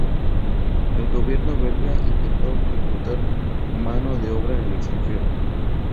El gobierno belga intentó reclutar mano de obra en el extranjero.